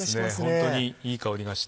ホントにいい香りがして。